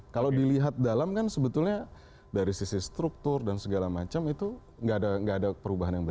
kalau dilihat dalam kan sebetulnya dari sisi struktur dan segala macam itu nggak ada perubahan yang berbeda